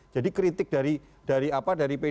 jadi kritik dari pdi